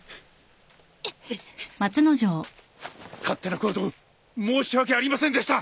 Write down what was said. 勝手な行動申し訳ありませんでした。